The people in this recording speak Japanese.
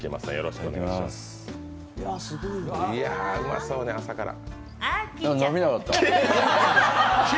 いや、うまそうね、朝から。